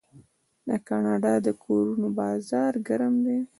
د کاناډا د کورونو بازار ګرم دی.